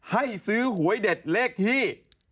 ให้ซื้อหวยเด็ดเลขที่